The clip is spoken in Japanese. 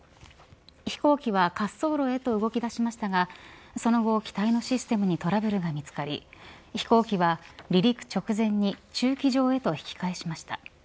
飛行機は滑走路へと動き出しましたがその後、機体のシステムにトラブルが見つかり飛行機は離陸直前に駐機場へと引き返しました。